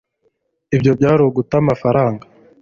ibyo byari uguta amafaranga